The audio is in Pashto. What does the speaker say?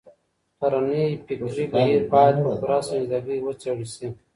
پلرنی فکري بهير بايد په پوره سنجيدګۍ وڅېړل سي.